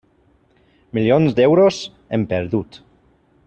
Milions d'euros, hem perdut.